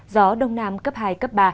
gió đông nam cấp hai cấp ba